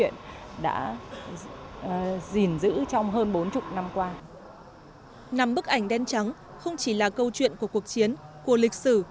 nằm bức ảnh đen trắng không chỉ là câu chuyện của cuộc chiến của lịch sử